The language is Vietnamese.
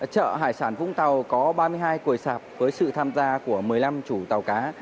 chợ hải sản vũng tàu có ba mươi hai cùi sạp với sự tham gia của một mươi năm chủ tàu cá